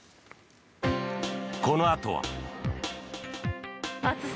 このあとは。